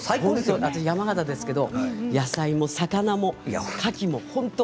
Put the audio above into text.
私、山形ですけど野菜も魚もかきも。